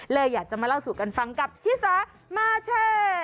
อยากจะมาเล่าสู่กันฟังกับชิสามาเช่